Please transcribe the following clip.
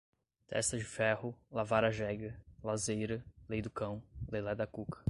testa de ferro, lavar a jega, lazeira, lei do cão, lelé da cuca